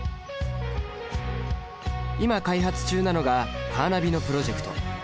今開発中なのがカーナビのプロジェクト。